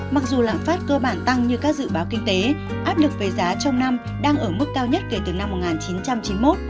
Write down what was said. mặc dù lạm phát cơ bản tăng như các dự báo kinh tế áp lực về giá trong năm đang ở mức cao nhất kể từ năm một nghìn chín trăm chín mươi một